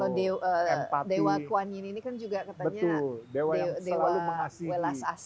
kalau dewa kuan yin ini kan juga katanya dewa welas asih ya